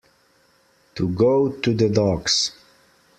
To go to the dogs.